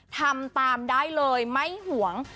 ทำตามได้เลยไม่ห่วง